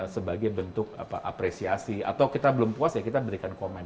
sebagai bentuk apresiasi atau kita belum puas ya kita berikan komen